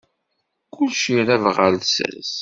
Kullec irab ɣar lsas.